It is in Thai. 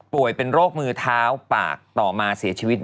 เป็นโรคมือเท้าปากต่อมาเสียชีวิต